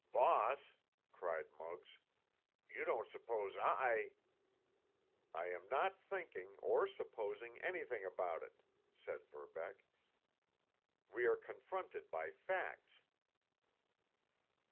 "Boss," cried Muggs, "you don't suppose I——" "I am not thinking, or supposing, anything about it," said Verbeck. "We are confronted by facts."